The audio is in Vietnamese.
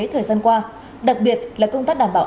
thời gian qua đặc biệt là công tác đảm bảo